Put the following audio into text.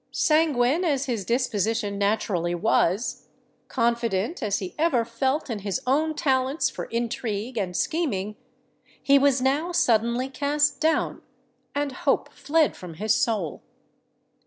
Sanguine as his disposition naturally was,—confident as he ever felt in his own talents for intrigue and scheming,—he was now suddenly cast down; and hope fled from his soul.